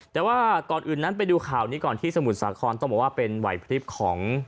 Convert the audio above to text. แต่ว่าก่อนอื่นนั้นไปดูข่าวนี้ก่อนที่สมุทรสาครต้องบอกว่าเป็นไหวพลิบของ